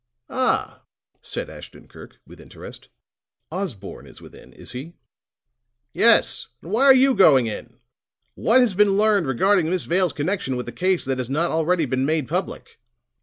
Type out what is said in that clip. "Ah," said Ashton Kirk, with interest, "Osborne is within, is he?" "Yes; and why are you going in? What has been learned regarding Miss Vale's connection with the case that has not already been made public?"